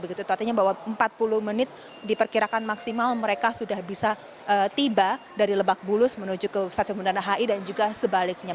artinya bahwa empat puluh menit diperkirakan maksimal mereka sudah bisa tiba dari lebak bulus menuju ke stasiun bundana hi dan juga sebaliknya